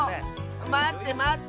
まってまって！